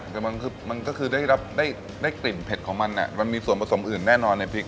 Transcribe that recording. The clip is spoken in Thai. แต่มันคือมันก็คือได้กลิ่นเผ็ดของมันมันมีส่วนผสมอื่นแน่นอนในพริก